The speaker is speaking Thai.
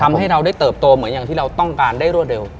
ทำให้เราได้เติบโตเหมือนอย่างที่เราต้องการได้รวดเร็ว